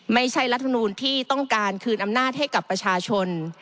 รัฐมนูลที่ต้องการคืนอำนาจให้กับประชาชน